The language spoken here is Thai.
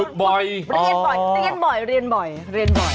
บ่อยเรียนบ่อยเรียนบ่อยเรียนบ่อยเรียนบ่อย